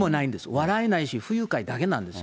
笑えないし、不愉快だけなんですよ。